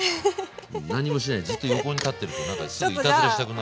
何もしないでジッと横に立ってるとなんかすぐいたずらしたくなる。